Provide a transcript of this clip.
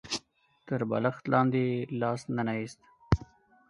تر بالښت لاندې يې لاس ننه ايست.